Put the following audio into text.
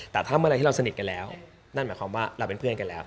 แต่ถ้าเมื่อไหร่ที่เราสนิทกันแล้วนั่นหมายความว่าเราเป็นเพื่อนกันแล้ว